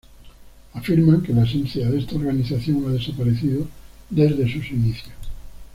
Afirman que la esencia de esta organización ha desaparecido desde sus inicios.